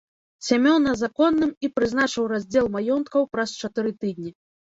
Сямёна законным і прызначыў раздзел маёнткаў праз чатыры тыдні.